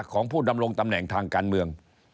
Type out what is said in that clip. ของผู้ดำรงตำแหน่งทางการเมือง